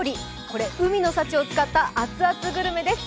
これ海の幸を使った熱々グルメです。